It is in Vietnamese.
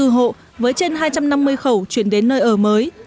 sáu mươi bốn hộ với trên hai trăm năm mươi khẩu chuyển đến nơi ở mới